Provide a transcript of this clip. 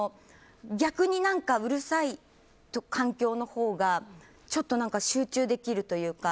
逆にうるさい環境のほうが集中できるというか。